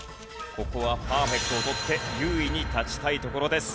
ここはパーフェクトを取って優位に立ちたいところです。